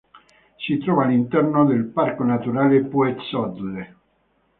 Si trova all'interno del Parco naturale Puez-Odle.